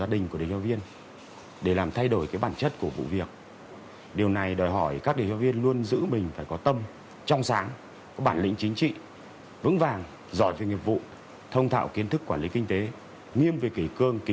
điều này đòi hỏi lực lượng công an phải nỗ lực có bản lĩnh liêm chính